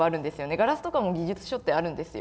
ガラスとかも技術書ってあるんですよ。